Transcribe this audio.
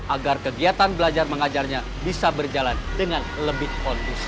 agar kegiatan belajar mengajarnya bisa berjalan dengan lebih kondusif